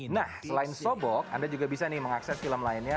nah selain sobok anda juga bisa nih mengakses film lainnya